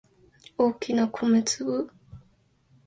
大きな米粒